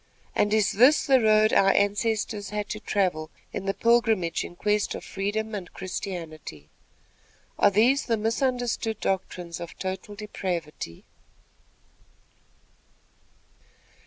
and is this the road our ancestors had to travel in their pilgrimage in quest of freedom and Christianity? Are these the misunderstood doctrines of total depravity?"